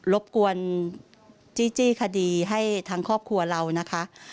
รบกวนจี้คดีให้ทั้งครอบครัวเรานะคะ